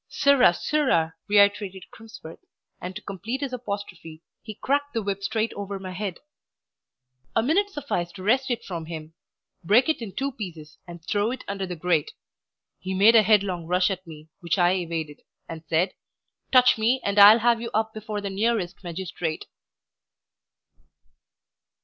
"Sirrah! sirrah!" reiterated Crimsworth; and to complete his apostrophe, he cracked the whip straight over my head. A minute sufficed to wrest it from him, break it in two pieces, and throw it under the grate. He made a headlong rush at me, which I evaded, and said "Touch me, and I'll have you up before the nearest magistrate."